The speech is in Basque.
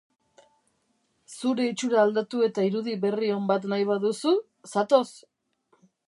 Zure itxura aldatu eta irudi berri on bat nahi baduzu, zatoz!